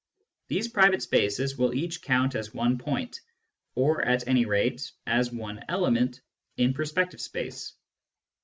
These private spaces will each count as one point, or at any rate as one element, in perspective space.